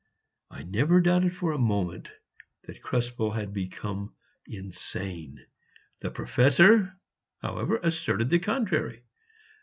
I never doubted for a moment that Krespel had become insane; the Professor, however, asserted the contrary.